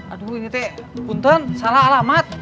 aduh ini teh bunton salah alamat